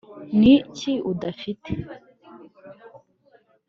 niki udafite